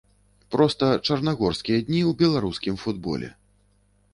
Проста чарнагорскія дні ў беларускім футболе.